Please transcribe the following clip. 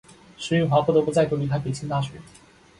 石蕴华不得不再度离开北京大学。